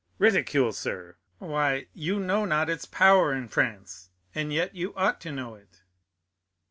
Ridicule, sir—why, you know not its power in France, and yet you ought to know it!"